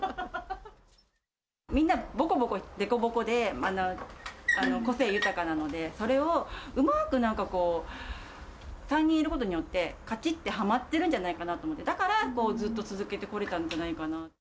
みんな、ぼこぼこ、凸凹で、個性豊かなので、それをうまくなんかこう、３人いることによって、かちってはまってるんじゃないかなと思って、だからずっと続けてこれたんじゃないかなって。